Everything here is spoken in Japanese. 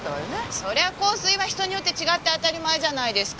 そりゃ香水は人によって違って当たり前じゃないですか。